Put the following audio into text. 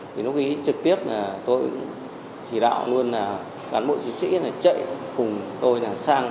thì nó ghi trực tiếp là tôi chỉ đạo luôn là cán bộ chiến sĩ là chạy cùng tôi là sang